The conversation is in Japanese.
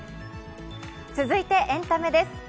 続いてエンタメです。